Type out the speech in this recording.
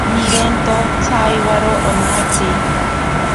Nirento tsaiwaro onatsi.